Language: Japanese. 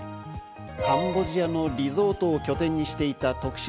カンボジアのリゾートを拠点にしていた特集